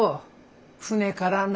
船からな。